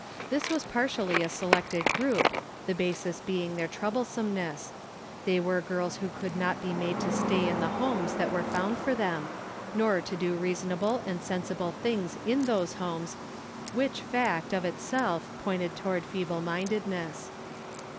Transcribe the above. This was partially a selected group, the basis being their trouble someness ; they were girls who could not be made to stay in the homes that were found for them, nor to do 58 THE KALLIKAK FAMILY reasonable and sensible things in those homes, which fact, of itself, pointed toward feeble mindedness.